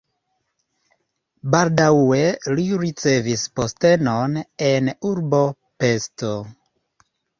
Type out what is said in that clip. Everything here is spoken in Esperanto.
Baldaŭe li ricevis postenon en urbo Pest.